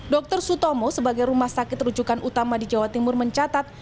dr sutomo sebagai rumah sakit rujukan utama di jawa timur mencatat